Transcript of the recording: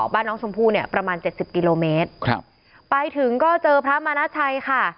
บ้านน้องชมพู่เนี่ยประมาณเจ็ดสิบกิโลเมตรครับไปถึงก็เจอพระมานาชัยค่ะ